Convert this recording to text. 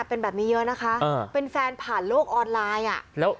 เป็นแบบนี้เยอะนะคะเป็นแฟนผ่านโลกออนไลน์อ่ะแล้ว